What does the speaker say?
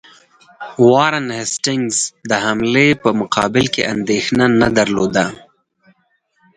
وارن هیسټینګز د حملې په مقابل کې اندېښنه نه درلوده.